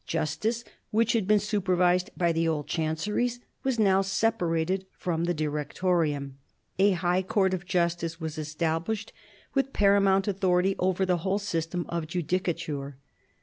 Justice, which had been supervised by the old Chanceries, was now separated from the Directorium. ^ Hi jg^h Court „of Juatica^ was established, with paramount authority over the whole system of judicature.